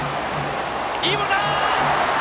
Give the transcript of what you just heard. いいボールだ！